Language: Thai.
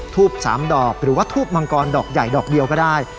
ทูบ๓ดอกหรือว่าทูบมังกรดอกใหญ่ดอกเดียวก็ได้